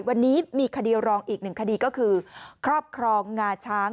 วันนี้มีคดีรองอีกหนึ่งคดีก็คือครอบครองงาช้าง